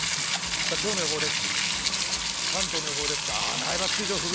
今日の予報です。